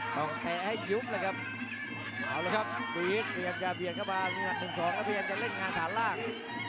ต้องแทนให้ยุบนะครับเอาละครับดูอิสอยากจะเปลี่ยนเข้ามา๑๒แล้วเปลี่ยนจะเล่นงานฐานล่าง